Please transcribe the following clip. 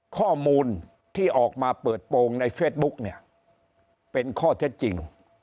ข้อมูลที่ออกมาเปิดโปรงในเฟซบุ๊กเนี่ยเป็นข้อเท็จจริง